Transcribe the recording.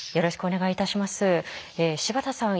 柴田さん